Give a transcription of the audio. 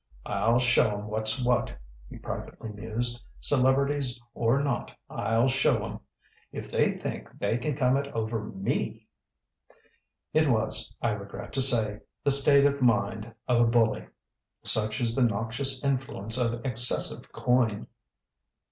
"I'll show 'em what's what!" he privately mused. "Celebrities or not, I'll show 'em! If they think they can come it over me !" It was, I regret to say, the state of mind of a bully. Such is the noxious influence of excessive coin!